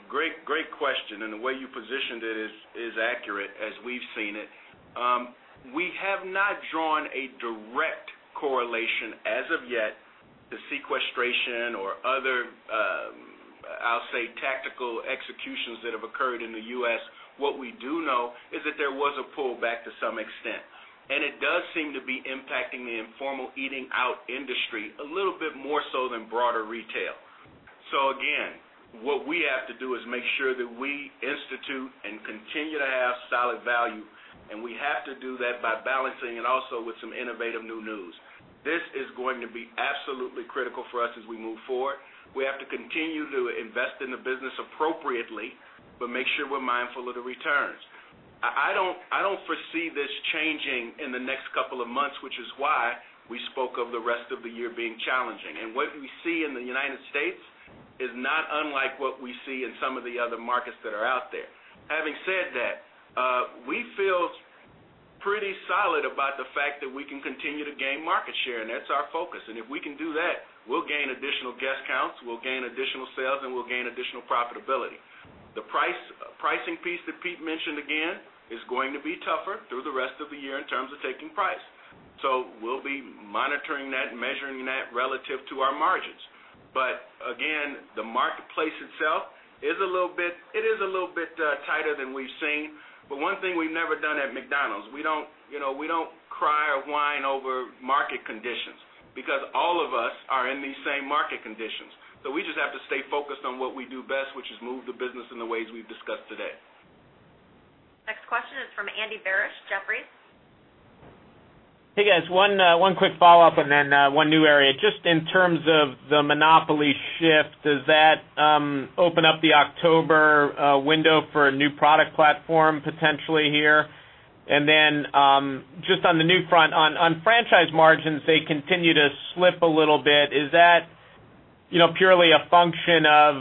Great question. The way you positioned it is accurate as we've seen it. We have not drawn a direct correlation as of yet to sequestration or other, I'll say, tactical executions that have occurred in the U.S. What we do know is that there was a pullback to some extent. It does seem to be impacting the informal eating out industry a little bit more so than broader retail. Again, what we have to do is make sure that we institute and continue to have solid value, and we have to do that by balancing it also with some innovative new news. This is going to be absolutely critical for us as we move forward. We have to continue to invest in the business appropriately, but make sure we're mindful of the returns. I don't foresee this changing in the next couple of months, which is why we spoke of the rest of the year being challenging. What we see in the United States is not unlike what we see in some of the other markets that are out there. Having said that, we feel pretty solid about the fact that we can continue to gain market share, and that's our focus. If we can do that, we'll gain additional guest counts, we'll gain additional sales, and we'll gain additional profitability. The pricing piece that Pete mentioned, again, is going to be tougher through the rest of the year in terms of taking price. We'll be monitoring that and measuring that relative to our margins. Again, the marketplace itself is a little bit tighter than we've seen. One thing we've never done at McDonald's, we don't cry or whine over market conditions because all of us are in these same market conditions. We just have to stay focused on what we do best, which is move the business in the ways we've discussed today. Next question is from Andy Barish, Jefferies. Hey, guys, one quick follow-up and then one new area. Just in terms of the Monopoly shift, does that open up the October window for a new product platform potentially here? Then just on the new front, on franchise margins, they continue to slip a little bit. Is that purely a function of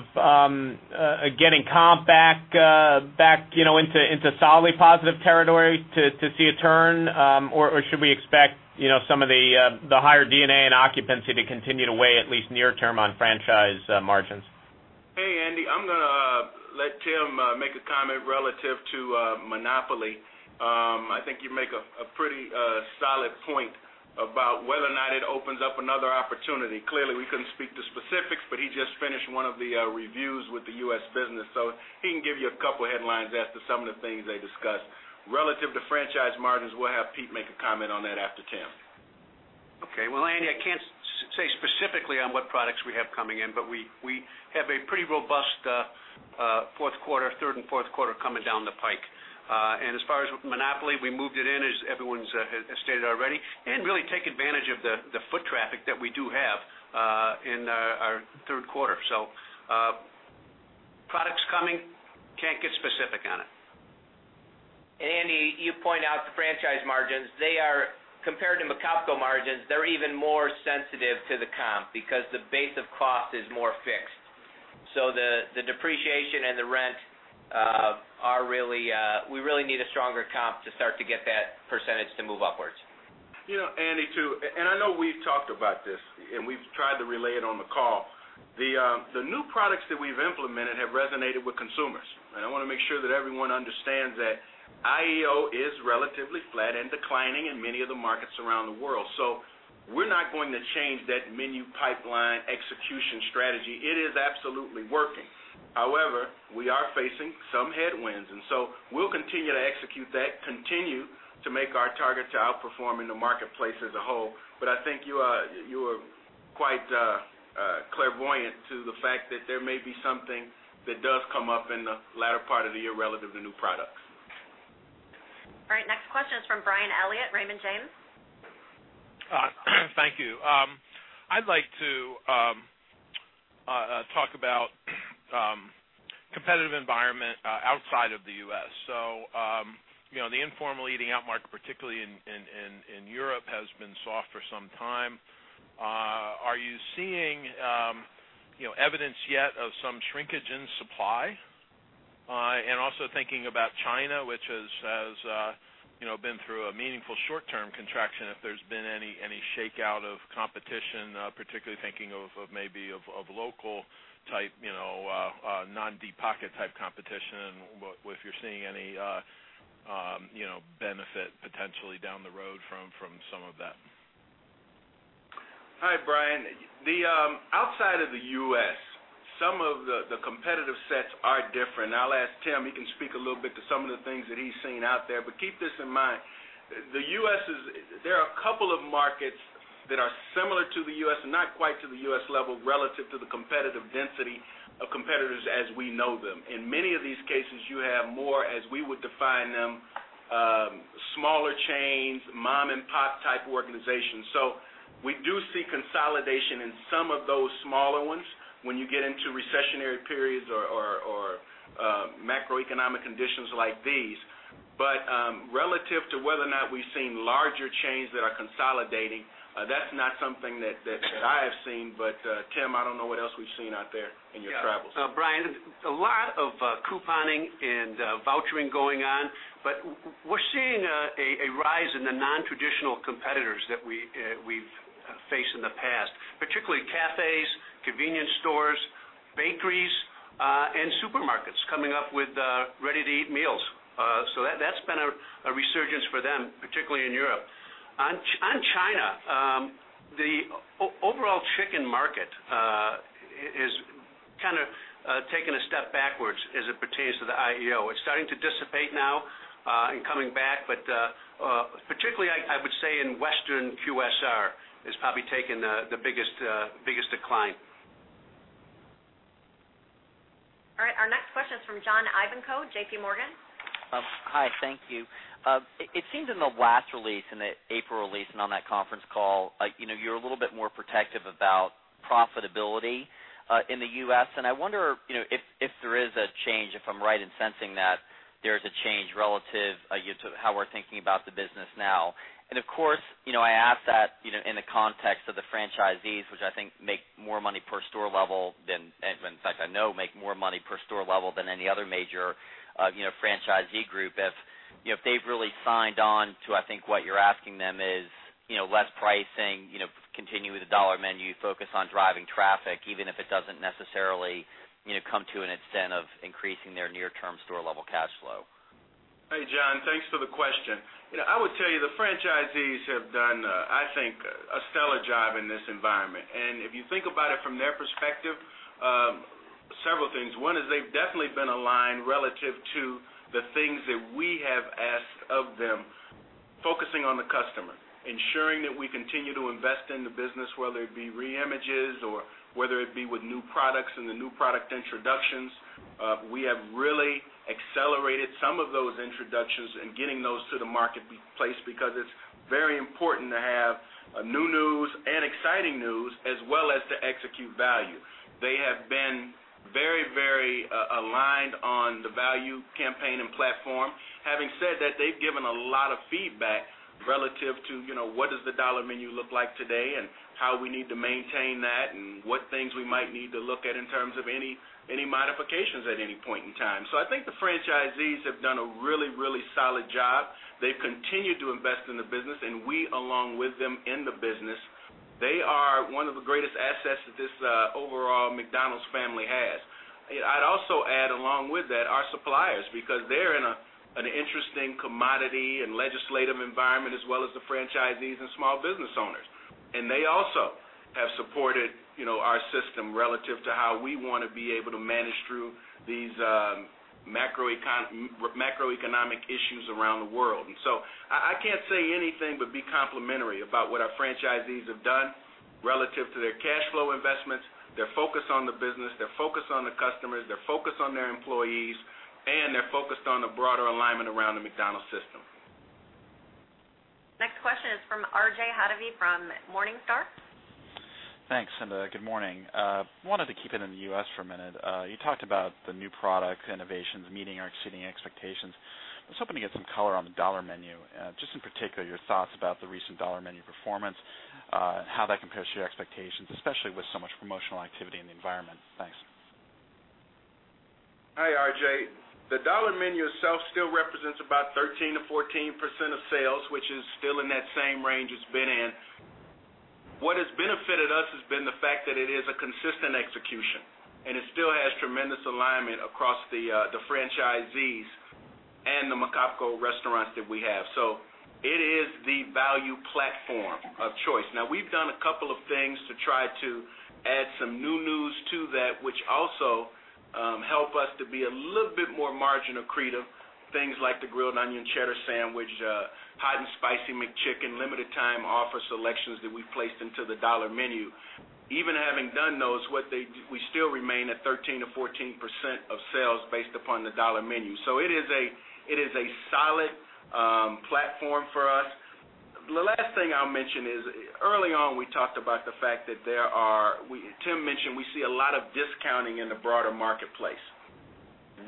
getting comp back into solidly positive territory to see a turn? Or should we expect some of the higher D&A and occupancy to continue to weigh at least near term on franchise margins? Hey, Andy, I'm going to let Tim make a comment relative to Monopoly. I think you make a pretty solid point about whether or not it opens up another opportunity. Clearly, we couldn't speak to specifics, but he just finished one of the reviews with the U.S. business, he can give you a couple headlines as to some of the things they discussed. Relative to franchise margins, we'll have Pete make a comment on that after Tim. Okay. Well, Andy, I can't say specifically on what products we have coming in, but we have a pretty robust third and fourth quarter coming down the pike. As far as with Monopoly, we moved it in as everyone's stated already, and really take advantage of the foot traffic that we do have in our third quarter. Products coming, can't get specific on it. Andy, you point out the franchise margins. Compared to McCafé margins, they're even more sensitive to the comp because the base of cost is more fixed. The depreciation and the rent, we really need a stronger comp to start to get that percentage to move upwards. Andy, I know we've talked about this, and we've tried to relay it on the call. The new products that we've implemented have resonated with consumers. I want to make sure that everyone understands that IEO is relatively flat and declining in many of the markets around the world. We're not going to change that menu pipeline execution strategy. It is absolutely working. However, we are facing some headwinds, so we'll continue to execute that, continue to make our target to outperform in the marketplace as a whole. I think you are quite clairvoyant to the fact that there may be something that does come up in the latter part of the year relative to new products. All right. Next question is from Bryan Elliott, Raymond James. Thank you. I'd like to talk about competitive environment outside of the U.S. The informal eating-out market, particularly in Europe, has been soft for some time. Are you seeing evidence yet of some shrinkage in supply? Also thinking about China, which has been through a meaningful short-term contraction, if there's been any shakeout of competition, particularly thinking of maybe of local type, non-deep pocket type competition, and if you're seeing any benefit potentially down the road from some of that. Hi, Bryan. Outside of the U.S., some of the competitive sets are different. I'll ask Tim, he can speak a little bit to some of the things that he's seen out there. Keep this in mind. There are a couple of markets that are similar to the U.S. and not quite to the U.S. level relative to the competitive density of competitors as we know them. In many of these cases, you have more, as we would define them, smaller chains, mom-and-pop type organizations. We do see consolidation in some of those smaller ones when you get into recessionary periods or macroeconomic conditions like these. Relative to whether or not we've seen larger chains that are consolidating, that's not something that I have seen, but Tim, I don't know what else we've seen out there in your travels. Bryan, a lot of couponing and vouchering going on. We're seeing a rise in the non-traditional competitors that we've faced in the past, particularly cafes, convenience stores, bakeries, and supermarkets coming up with ready-to-eat meals. That's been a resurgence for them, particularly in Europe. On China, the overall chicken market is kind of taking a step backwards as it pertains to the IEO. It's starting to dissipate now, and coming back. Particularly, I would say in western QSR, it's probably taken the biggest decline. All right. Our next question is from John Ivankoe, JPMorgan. Hi. Thank you. It seems in the last release, in the April release and on that conference call, you're a little bit more protective about profitability in the U.S. I wonder if there is a change, if I'm right in sensing that there's a change relative to how we're thinking about the business now. Of course, I ask that in the context of the franchisees, which I think make more money per store level than, in fact I know, make more money per store level than any other major franchisee group. If they've really signed on to, I think what you're asking them is less pricing, continue with the Dollar Menu, focus on driving traffic, even if it doesn't necessarily come to an extent of increasing their near-term store level cash flow. Hey, John. Thanks for the question. I would tell you; the franchisees have done, I think, a stellar job in this environment. If you think about it from their perspective, several things. One is they've definitely been aligned relative to the things that we have asked of them, focusing on the customer, ensuring that we continue to invest in the business, whether it be re-images or whether it be with new products and the new product introductions. We have really accelerated some of those introductions and getting those to the marketplace because it's very important to have new news and exciting news, as well as to execute value. They have been very aligned on the value campaign and platform. Having said that, they've given a lot of feedback relative to what does the Dollar Menu look like today and how we need to maintain that and what things we might need to look at in terms of any modifications at any point in time. I think the franchisees have done a really solid job. They've continued to invest in the business, and we along with them in the business. They are one of the greatest assets that this overall McDonald's family has. I'd also add along with that our suppliers, because they're in an interesting commodity and legislative environment as well as the franchisees and small business owners. They also have supported our system relative to how we want to be able to manage through these macroeconomic issues around the world. I can't say anything but be complimentary about what our franchisees have done relative to their cash flow investments, their focus on the business, their focus on the customers, their focus on their employees, and their focus on the broader alignment around the McDonald's system. Next question is from R.J. Hottovy from Morningstar. Thanks, and good morning. I wanted to keep it in the U.S. for a minute. You talked about the new product innovations meeting or exceeding expectations. I was hoping to get some color on the Dollar Menu, just in particular, your thoughts about the recent Dollar Menu performance, and how that compares to your expectations, especially with so much promotional activity in the environment. Thanks. Hi, R.J. The Dollar Menu itself still represents about 13%-14% of sales, which is still in that same range it's been in. What has benefited us has been the fact that it is a consistent execution, and it still has tremendous alignment across the franchisees and the McCafé restaurants that we have. It is the value platform of choice. We've done a couple of things to try to add some new news to that, which also help us to be a little bit more margin accretive, things like the Grilled Onion Cheddar Burger, hot and spicy McChicken, limited time offer selections that we've placed into the Dollar Menu. Even having done those, we still remain at 13%-14% of sales based upon the Dollar Menu. It is a solid platform for us. The last thing I'll mention is, early on, we talked about the fact that Tim mentioned we see a lot of discounting in the broader marketplace.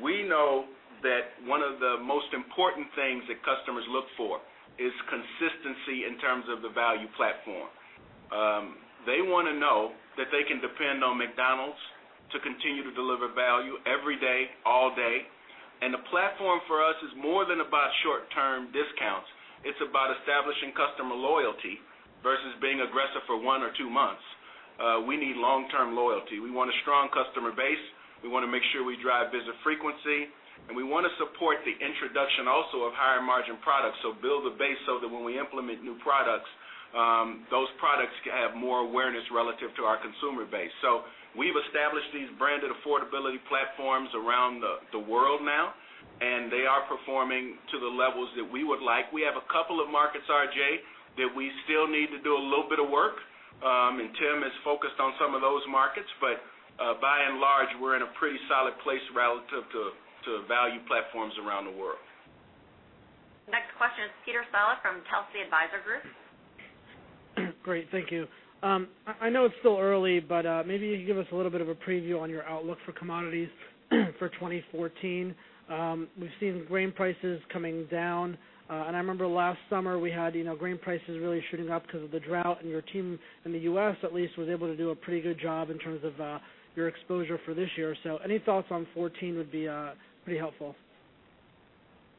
We know that one of the most important things that customers look for is consistency in terms of the value platform. They want to know that they can depend on McDonald's to continue to deliver value every day, all day. The platform for us is more than about short-term discounts. It's about establishing customer loyalty versus being aggressive for one or two months. We need long-term loyalty. We want a strong customer base, we want to make sure we drive visit frequency, and we want to support the introduction also of higher margin products. Build the base so that when we implement new products, those products have more awareness relative to our consumer base. We've established these branded affordability platforms around the world now. They are performing to the levels that we would like. We have a couple of markets, R.J., that we still need to do a little bit of work, and Tim has focused on some of those markets. By and large, we're in a pretty solid place relative to value platforms around the world. Next question is Peter Saleh from Telsey Advisory Group. Great. Thank you. I know it's still early, maybe you can give us a little bit of a preview on your outlook for commodities for 2014. We've seen grain prices coming down. I remember last summer we had grain prices really shooting up because of the drought, and your team in the U.S., at least, was able to do a pretty good job in terms of your exposure for this year. Any thoughts on 2014 would be pretty helpful.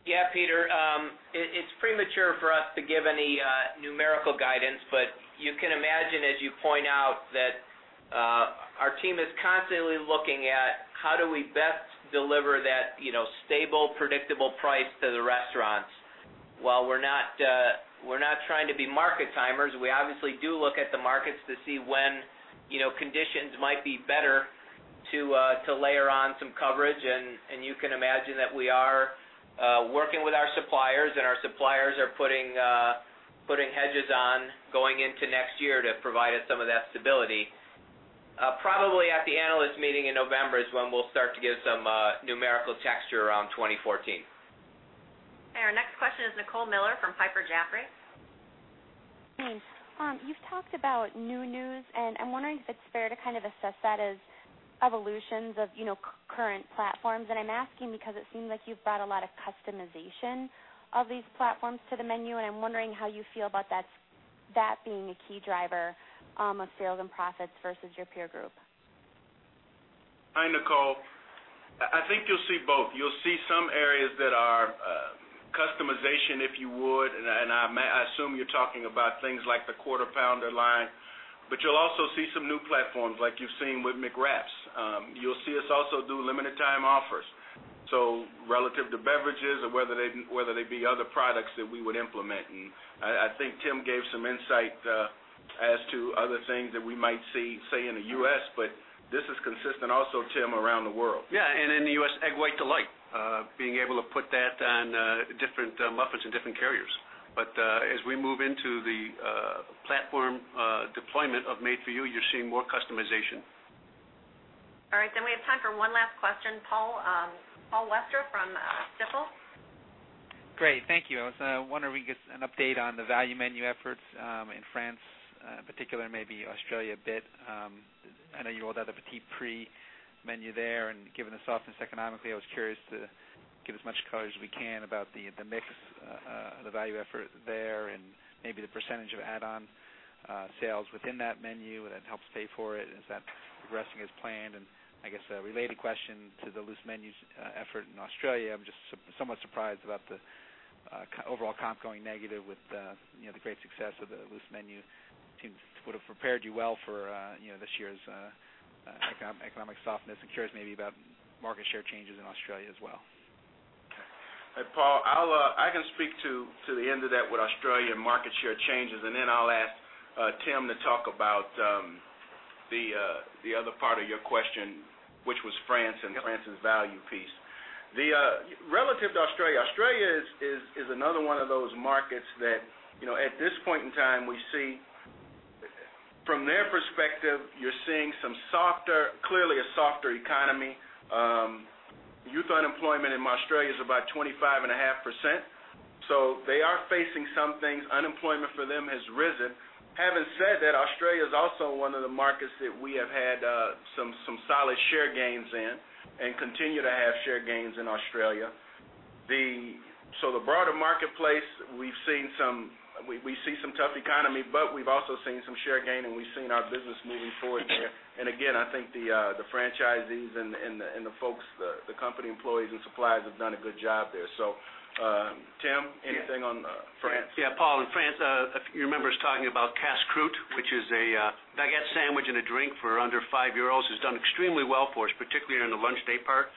Yeah, Peter. It's premature for us to give any numerical guidance, you can imagine, as you point out, that our team is constantly looking at how do we best deliver that stable, predictable price to the restaurants. While we're not trying to be market timers, we obviously do look at the markets to see when conditions might be better to layer on some coverage. You can imagine that we are working with our suppliers, and our suppliers are putting hedges on going into next year to provide us some of that stability. Probably at the analyst meeting in November is when we'll start to give some numerical texture around 2014. Our next question is Nicole Miller from Piper Jaffray. Thanks. You've talked about new news, I'm wondering if it's fair to kind of assess that as evolutions of current platforms. I'm asking because it seems like you've brought a lot of customization of these platforms to the menu, and I'm wondering how you feel about that being a key driver of sales and profits versus your peer group. Hi, Nicole. I think you'll see both. You'll see some areas that are customization, if you would, and I assume you're talking about things like the Quarter Pounder line. You'll also see some new platforms like you've seen with McWrap. You'll see us also do limited time offers. Relative to beverages or whether they be other products that we would implement. I think Tim gave some insight as to other things that we might see, say, in the U.S., but this is consistent also, Tim, around the world. Yeah. In the U.S., Egg White Delight, being able to put that on different muffins and different carriers. As we move into the platform deployment of Made For You, you're seeing more customization. All right, we have time for one last question. Paul Westra from Stifel. Great. Thank you. I was wondering if we could get an update on the value menu efforts in France, in particular, maybe Australia a bit. I know you rolled out the P'tits Plaisirs menu there, given the softness economically, I was curious to give as much color as we can about the mix, the value effort there, and maybe the % of add-on sales within that menu that helps pay for it. Is that progressing as planned? I guess a related question to the Loose Menus effort in Australia, I'm just somewhat surprised about the overall comp going negative with the great success of the Loose Menu. Tim would have prepared you well for this year's economic softness and curious maybe about market share changes in Australia as well. Hey, Paul. I can speak to the end of that with Australia market share changes. Then I'll ask Tim to talk about the other part of your question, which was France and France's value piece. Relative to Australia is another one of those markets that, at this point in time, we see from their perspective, you're seeing some softer, clearly a softer economy. Youth unemployment in Australia is about 25.5%. They are facing some things. Unemployment for them has risen. Having said that, Australia is also one of the markets that we have had some solid share gains in and continue to have share gains in Australia. The broader marketplace, we see some tough economy, but we've also seen some share gain and we've seen our business moving forward there. Again, I think the franchisees and the folks, the company employees, and suppliers have done a good job there. Tim, anything on France? Yeah, Paul. In France, if you remember I was talking about Casse-Croûte, which is a baguette sandwich and a drink for under EUR 5, has done extremely well for us, particularly in the lunch day part.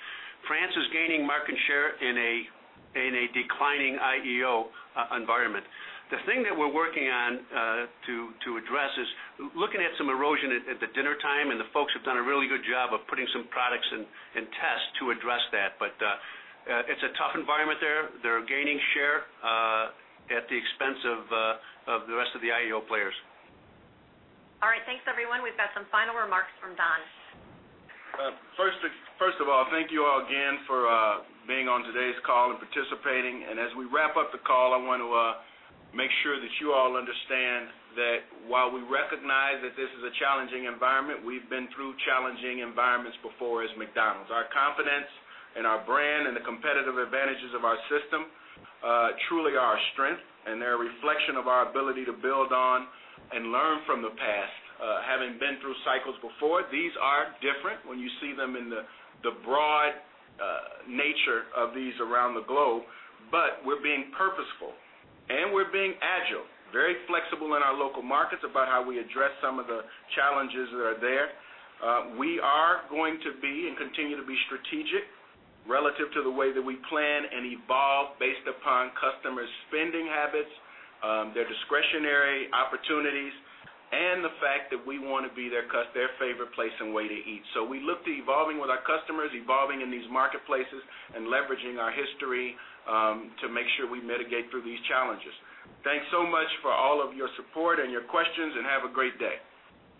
France is gaining market share in a declining IEO environment. The thing that we're working on to address is looking at some erosion at the dinner time. The folks have done a really good job of putting some products in test to address that. It's a tough environment there. They're gaining share at the expense of the rest of the IEO players. All right. Thanks, everyone. We've got some final remarks from Don. First of all, thank you all again for being on today's call and participating. As we wrap up the call, I want to make sure that you all understand that while we recognize that this is a challenging environment, we've been through challenging environments before as McDonald's. Our confidence in our brand and the competitive advantages of our system truly are our strength, and they're a reflection of our ability to build on and learn from the past, having been through cycles before. These are different when you see them in the broad nature of these around the globe. We're being purposeful, and we're being agile, very flexible in our local markets about how we address some of the challenges that are there. We are going to be and continue to be strategic relative to the way that we plan and evolve based upon customers' spending habits, their discretionary opportunities, and the fact that we want to be their favorite place and way to eat. We look to evolving with our customers, evolving in these marketplaces, and leveraging our history to make sure we mitigate through these challenges. Thanks so much for all of your support and your questions, and have a great day.